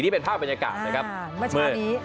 นี่เป็นภาพบรรยากาศนะครับเมื่อนี้